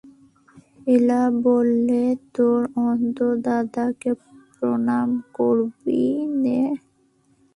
এলা বললে, তোর অন্তুদাদাকে প্রণাম করবি নে?